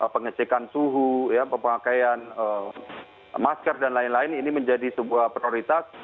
pengecekan suhu pemakaian masker dan lain lain ini menjadi sebuah prioritas